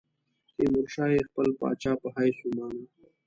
تیمورشاه یې خپل پاچا په حیث ومانه.